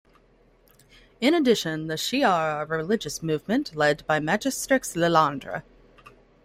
In addition, the Shi'ar are a religious movement, led by "Majestrix Lilandra".